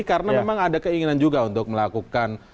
karena memang ada keinginan juga untuk melakukan